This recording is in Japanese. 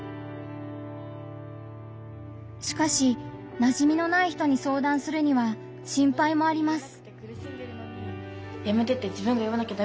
しかしなじみのない人に相談するには心配もあります。